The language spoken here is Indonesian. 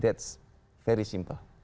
itu sangat sederhana